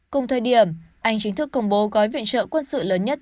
cùng thời điểm anh chính thức công bố gói viện trợ quân sự lớn nhất